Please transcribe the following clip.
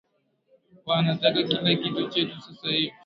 Wanataka kila kitu chetu sasa hivi